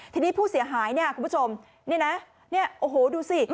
ทีนี้ผู้เสียหายเนี่ยคุณผู้ชมนี่นะเนี่ยโอ้โหดูสิ